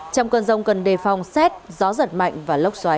trong cơn rông cần đề phòng xét gió giật mạnh và lốc xoáy